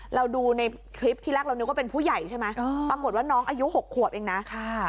เราดูในคลิปที่แรกเรานึกว่าเป็นผู้ใหญ่ใช่ไหมปรากฏว่าน้องอายุ๖ขวบเองนะค่ะ